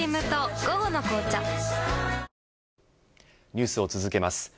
ニュースを続けます。